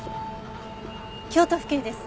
京都府警です。